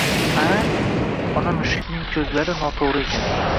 Aaaa... Ona mushukning ko'zlari noto'g'ri ekan.